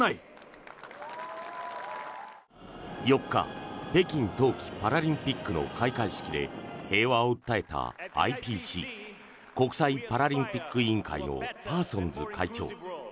４日北京冬季パラリンピックの開会式で平和を訴えたＩＰＣ・国際パラリンピック委員会のパーソンズ会長。